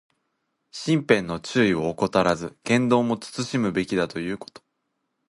身辺の注意を怠らず、言動も慎むべきだということ。